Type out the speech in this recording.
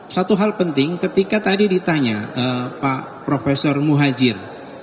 satu hal penting ketika tadi ditanya pak profesor muhajir